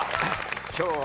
今日は。